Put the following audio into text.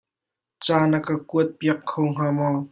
Ca na ka kuat piak kho hnga maw?